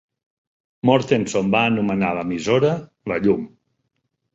Mortenson va anomenar l'emissora "La llum".